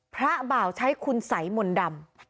บ่าวใช้คุณสัยมนต์ดำ